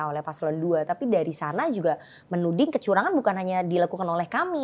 oleh paslon dua tapi dari sana juga menuding kecurangan bukan hanya dilakukan oleh kami